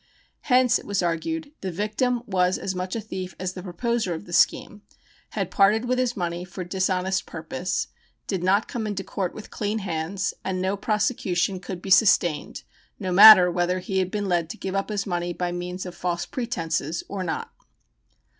Hence, it was argued, the victim was as much a thief as the proposer of the scheme, had parted with his money for a dishonest purpose, did not come into court with "clean hands," and no prosecution could be sustained, no matter whether he had been led to give up his money by means of false pretences or not.